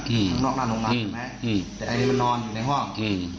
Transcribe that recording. ข้างนอกหน้าโรงงานถูกไหมอืมแต่อันนี้มันนอนอยู่ในห้องอืม